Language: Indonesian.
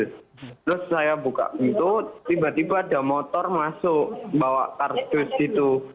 terus saya buka pintu tiba tiba ada motor masuk bawa kardus itu